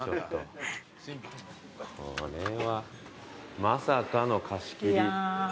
これはまさかの貸し切り。